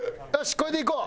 これでいこう！